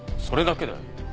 それだけだよ。